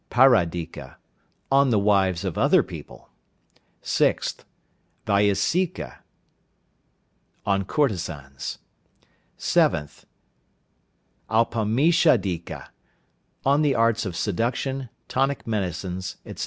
Paradika (on the wives of other people). 6th. Vaisika (on courtesans). 7th. Aupamishadika (on the arts of seduction, tonic medicines, etc.).